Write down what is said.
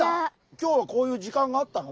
今日はこういう時間があったの？